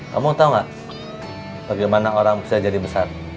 kamu tau gak bagaimana orang bisa jadi besar